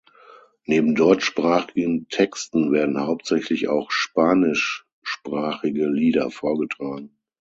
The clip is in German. Neben deutschsprachigen Texten werden hauptsächlich auch spanischsprachige Lieder vorgetragen.